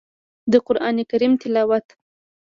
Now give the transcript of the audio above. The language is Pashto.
د قران کريم تلاوت